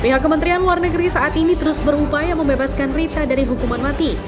pihak kementerian luar negeri saat ini terus berupaya membebaskan rita dari hukuman mati